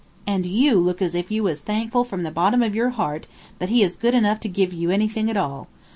And you look as if you was thankful from the bottom of your heart that he is good enough to give you anything at all.